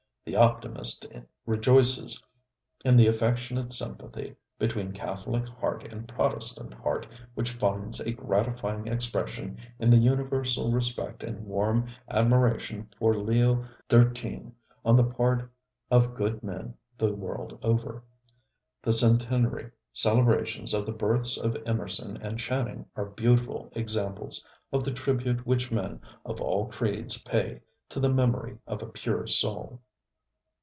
The optimist rejoices in the affectionate sympathy between Catholic heart and Protestant heart which finds a gratifying expression in the universal respect and warm admiration for Leo XIII on the part of good men the world over. The centenary celebrations of the births of Emerson and Channing are beautiful examples of the tribute which men of all creeds pay to the memory of a pure soul.